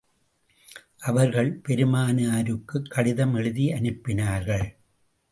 அவர்கள் பெருமானாருக்குக் கடிதம் எழுதி அனுப்பினார்கள்.